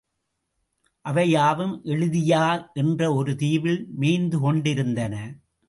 அவை யாவும் எளிதியா என்ற ஒரு தீவில் மேய்ந்துகொண்டிருந்தன.